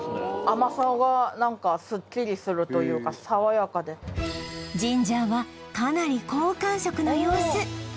甘さがなんかすっきりするというかさわやかでジンジャーはかなり好感触の様子